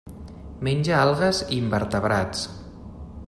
Menja algues i invertebrats.